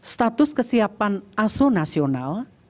status kesiapan aso nasional